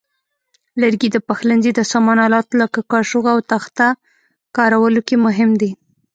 لرګي د پخلنځي د سامان آلاتو لکه کاشوغو او تخته کارولو کې مهم دي.